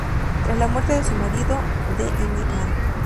Tras la muerte de su marido, Dña.